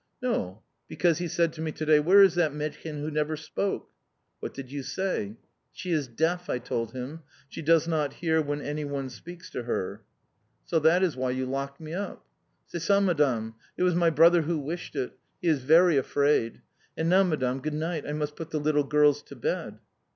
"No, because he said to me to day, 'Where is that mädchen who never spoke?'" "What did you say?" "She is deaf," I told him. "She does not hear when anyone speaks to her!" "So that is why you locked me up." "C'est ça, Madame. It was my brother who wished it. He is very afraid. And now, Madame, good night. I must put the little girls to bed."